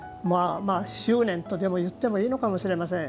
執念といってもいいのかもしれません。